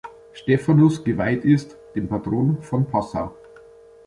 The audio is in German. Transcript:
Stephanus geweiht ist, dem Patron von Passau.